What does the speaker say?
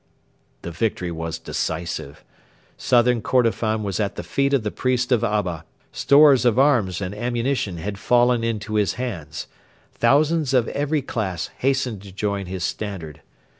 The victory was decisive. Southern Kordofan was at the feet of the priest of Abba. Stores of arms and ammunition had fallen into his hands. Thousands of every class hastened to join his standard.